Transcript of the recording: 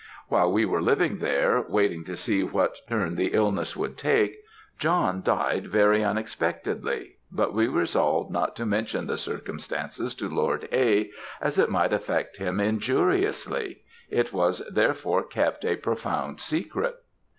While we were living there, waiting to see what turn the illness would take, John died very unexpectedly, but we resolved not to mention the circumstance to Lord A., as it might affect him injuriously; it was therefore kept a profound secret.